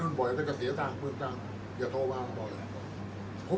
อันไหนที่มันไม่จริงแล้วอาจารย์อยากพูด